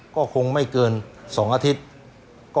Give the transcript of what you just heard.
ก็ต้องชมเชยเขาล่ะครับเดี๋ยวลองไปดูห้องอื่นต่อนะครับ